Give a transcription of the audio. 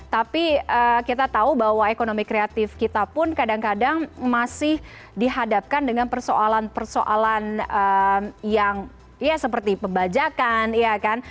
tapi kita tahu bahwa ekonomi kreatif kita pun kadang kadang masih dihadapkan dengan persoalan persoalan yang seperti pebajakan